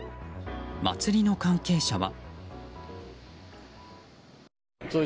祭りの関係者は。